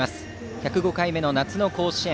１０５回目の夏の甲子園。